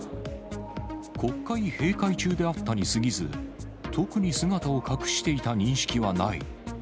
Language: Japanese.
国会閉会中であったにすぎず、特に姿を隠していた認識はない。